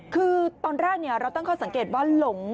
คือตอนแรกเราตั้งข้อสังเกตว่าหลง